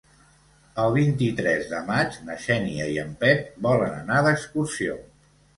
El vint-i-tres de maig na Xènia i en Pep volen anar d'excursió.